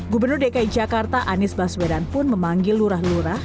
gubernur dki jakarta anies baswedan pun memanggil lurah lurah